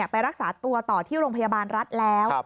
ไปรักษาตัวต่อที่โรงพยาบาลรัฐแล้ว